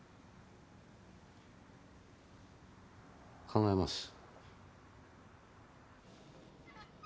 考えます。